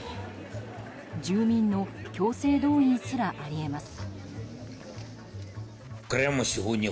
住民の強制動員すらあり得ます。